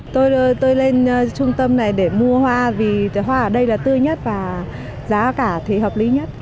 tôi tôi lên trung tâm này để mua hoa vì hoa ở đây là tươi nhất và giá cả thì hợp lý nhất